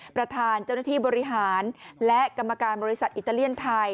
ประธานเจ้าหน้าที่บริหารและกรรมการบริษัทอิตาเลียนไทย